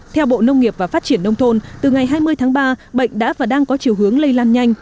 theo bộ nông nghiệp và phát triển nông thôn từ ngày hai mươi tháng ba bệnh đã và đang có chiều hướng lây lan nhanh